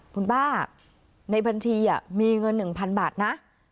คุณป้าในบัญชีมีเงิน๑๐๐๐บาทนะ